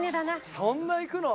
そんないくの？